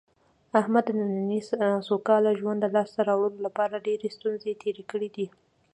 احمد د نننۍ سوکاله ژوند د لاسته راوړلو لپاره ډېرې ستونزې تېرې کړې دي.